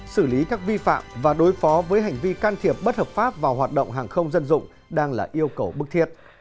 xử lý các vi phạm và đối phó với hành vi can thiệp bất hợp pháp vào hoạt động hàng không dân dụng đang là yêu cầu bức thiết